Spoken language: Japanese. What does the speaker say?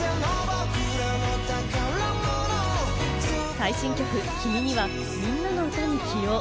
最新曲『君に』は、『みんなのうた』に起用。